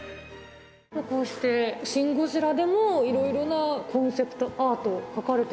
こうして『シン・ゴジラ』でもいろいろなコンセプトアート描かれてますね。